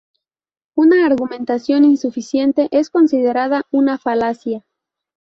Una argumentación insuficiente es considerada una falacia.